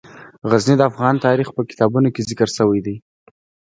غزني د افغان تاریخ په کتابونو کې ذکر شوی دي.